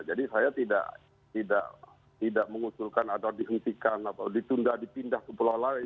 jadi saya tidak mengusulkan atau dihentikan atau ditunda dipindah ke pulau lain